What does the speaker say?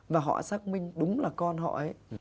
và họ xác minh đúng là con họ ấy